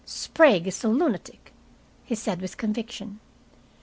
"Sprague is a lunatic," he said, with conviction.